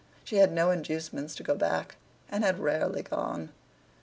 She had no inducements to go back, and had rarely gone.